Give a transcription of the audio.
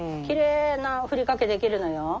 きれいなふりかけできるのよ。